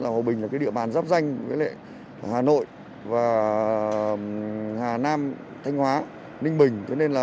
hòa bình là địa bàn giáp danh hà nội và hà nam thanh hóa ninh bình